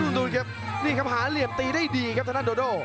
ดูดเก็บนี่ครับหาเหลี่ยมตีได้ดีครับท่านโดโด